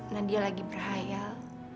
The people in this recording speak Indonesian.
nadia lagi berhayal